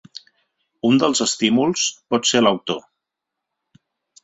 Un dels estímuls pot ser l’autor.